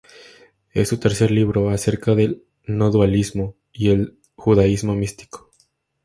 Es su tercer libro, acerca del "No dualismo" y el judaísmo místico.